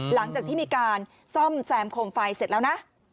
หลังจากที่มีการซ่อมแซมโคมไฟเสร็จแล้วนะ